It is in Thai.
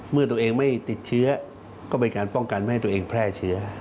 เมื่อตัวเองไม่ติดเชื้อก็เป็นการป้องกันไม่ให้ตัวเองแพร่เชื้อ